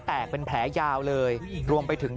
แตกเป็นแผลยาวเลยดวงไปถึง